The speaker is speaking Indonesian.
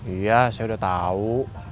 iya saya udah tau